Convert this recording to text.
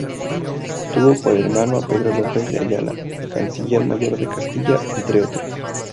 Tuvo por hermano a Pedro López de Ayala, Canciller mayor de Castilla, entre otros.